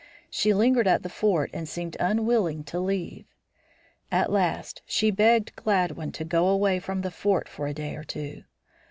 She lingered at the fort and seemed unwilling to leave. At last she begged Gladwin to go away from the fort for a day or two.